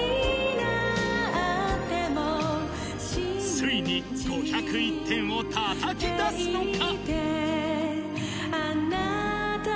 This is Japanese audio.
ついに５０１点をたたき出すのか。